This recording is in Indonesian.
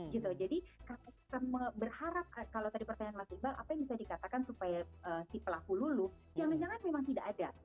jadi kita berharap kalau tadi pertanyaan mas iba apa yang bisa dikatakan supaya si pelaku luluh jangan jangan memang tidak ada